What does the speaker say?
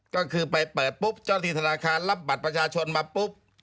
ก็คือไปเปิดปุ๊บเจ้าที่ธนาคารรับบัตรประชาชนมาปุ๊บ